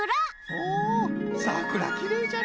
おおさくらきれいじゃね。